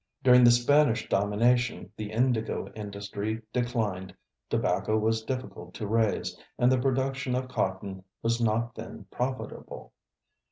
During the Spanish domination the indigo industry declined, tobacco was difficult to raise, and the production of cotton was not then profitable.